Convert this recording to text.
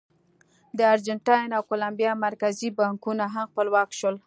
د ارجنټاین او کولمبیا مرکزي بانکونه هم خپلواک شول.